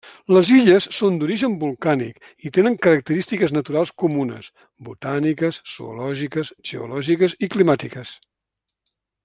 Les illes són d'origen volcànic i tenen característiques naturals comunes: botàniques, zoològiques, geològiques i climàtiques.